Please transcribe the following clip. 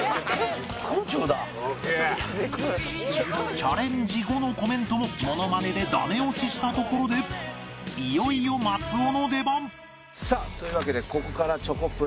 チャレンジ後のコメントもモノマネでダメ押ししたところでいよいよ松尾の出番さあというわけでここからチョコプラクイズです。